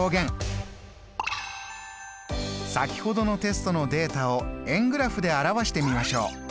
先ほどのテストのデータを円グラフで表してみましょう。